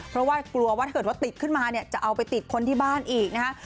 เพราะว่ากลัวว่าถ้าเกิดว่าติดขึ้นมาเนี่ยจะเอาไปติดคนที่บ้านอีกนะฮะ